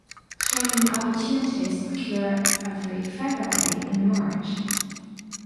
Training opportunities occur every February and March.